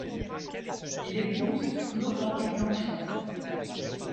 Il épouse Claude Henry-Blanchon.